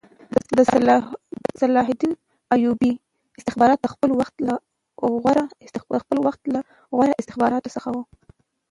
د صلاح الدین ایوبي استخبارات د خپل وخت له غوره استخباراتو څخه وو